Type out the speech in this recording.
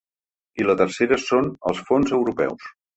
I la tercera són els fons europeus.